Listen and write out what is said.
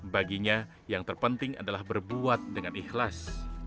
baginya yang terpenting adalah berbuat dengan ikhlas